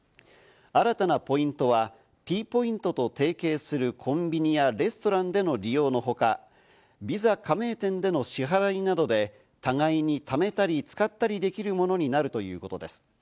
新たなポイントはＴポイントと提携するコンビニやレストランでの利用のほか、ＶＩＳＡ加盟店での支払いなどで互いに貯めたり使ったりできるものになるということです。